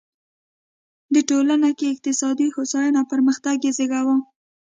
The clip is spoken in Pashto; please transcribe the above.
د ټولنه کې اقتصادي هوساینه او پرمختګ یې زېږاوه.